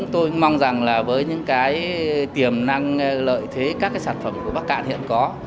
tôi mong rằng là với những cái tiềm năng lợi thế các cái sản phẩm của bắc cạn hiện có